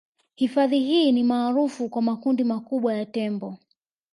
Hifadhi hii ni maarufu kwa makundi makubwa ya tembo